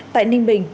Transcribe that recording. tại ninh bình